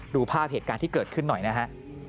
ดูภาพเหตุการณ์ที่เกิดขึ้นหน่อยนะฮะ